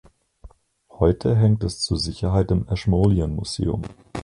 Heute hängt es zur Sicherheit im Ashmolean Museum.